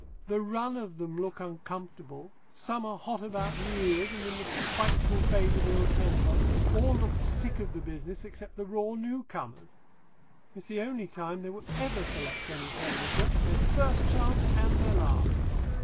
The run of them look uncomfortable; some are hot about the ears and in the spiteful phase of ill temper; all look sick of the business except the raw new comers. It's the only time they will ever select any furniture, their first chance and their last.